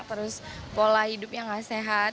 terus pola hidupnya gak sehat